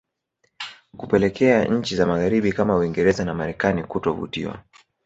kupelekea nchi za magharibi kama Uingereza na Marekani kutovutiwa